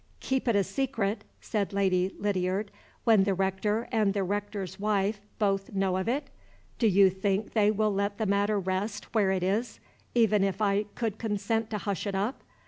"Keep it a secret," said Lady Lydiard, "when the Rector and the Rector's wife both know of it! Do you think they will let the matter rest where it is, even if I could consent to hush it up?